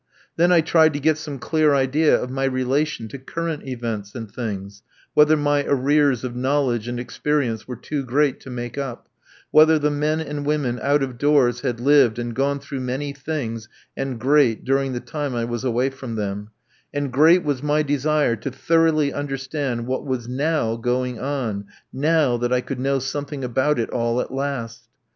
Then I tried to get some clear idea of my relation to current events and things; whether my arrears of knowledge and experience were too great to make up; whether the men and women out of doors had lived and gone through many things and great during the time I was away from them; and great was my desire to thoroughly understand what was now going on, now that I could know something about it all at last.